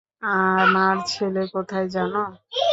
আমার ছেলে কোথায় জানো?